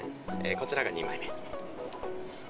こちらが２枚目。